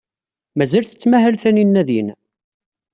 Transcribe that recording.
Mazal tettmahal Taninna din?